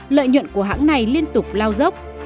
lợi nhuận của hãng này liên tục lao dốc